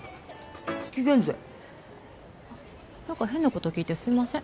紀元前何か変なこと聞いてすいません